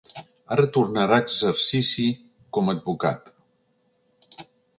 Ara tornarà a exercici com advocat.